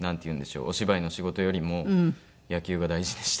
お芝居の仕事よりも野球が大事でした。